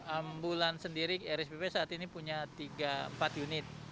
ambulan sendiri rspp saat ini punya empat unit